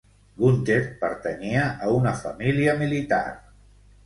Gunther pertanyia a una família militar.